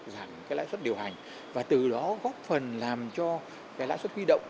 giảm cái lãi xuất điều hành và từ đó góp phần làm cho cái lãi xuất huy động